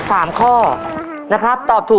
ภายในเวลา๓นาที